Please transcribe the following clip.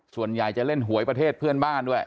ส่วนใหญ่จะเล่นหวยประเทศเพื่อนบ้านด้วย